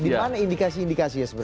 dimana indikasi indikasi ya sebenarnya